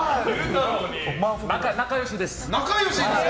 仲良しです。